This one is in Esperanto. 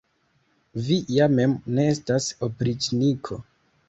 Vi ja mem ne estas opriĉniko!